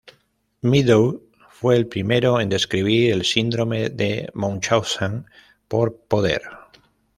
Meadows fue el primero en describir el Síndrome de Munchausen por poder.